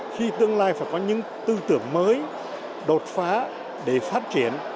khi tương lai phải có những tư tưởng mới đột phá để phát triển